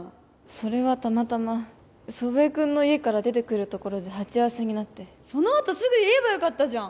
それはたまたま祖父江君の家から出てくるところで鉢合わせになってそのあとすぐ言えばよかったじゃん！